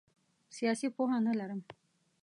سیاسي پوهه نه لرم.